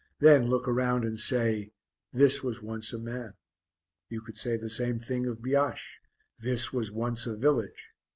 Then, look around and say this was once a man. You could say the same thing of Biaches this was once a village.